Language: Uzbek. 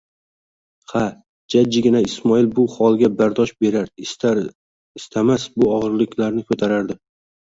Ha, jajjigana Ismoil bu holga bardosh berar, istaristamas bu og'irliklarni ko'tarardi.